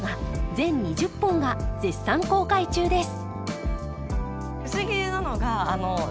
全２０本が絶賛公開中です